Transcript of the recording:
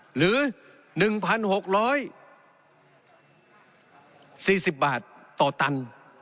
หรือ๑๖๔๐บาทต่อตัน